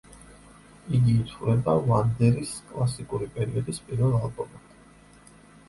იგი ითვლება უანდერის „კლასიკური პერიოდის“ პირველ ალბომად.